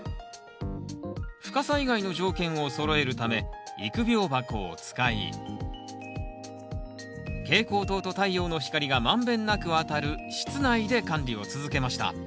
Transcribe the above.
深さ以外の条件をそろえるため育苗箱を使い蛍光灯と太陽の光が満遍なく当たる室内で管理を続けました。